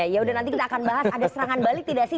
ya udah nanti kita akan bahas ada serangan balik tidak sih